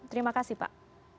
terima kasih pak